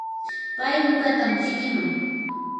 pay nuqatam chikiman.